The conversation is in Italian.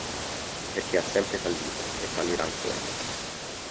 Perché ha sempre fallito e fallirà ancora".